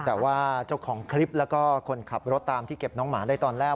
แต่ว่าเจ้าของคลิปแล้วก็คนขับรถตามที่เก็บน้องหมาได้ตอนแรก